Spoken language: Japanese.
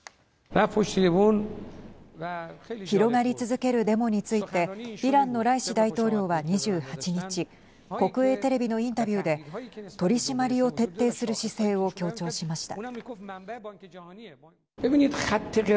広がり続けるデモについてイランのライシ大統領は２８日国営テレビのインタビューで取締りを徹底する姿勢を強調しました。